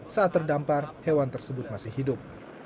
saat terdampar hewan tersebut masih hidup